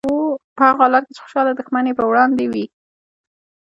په هغه حالت کې چې خوشحاله دښمن یې په وړاندې وي.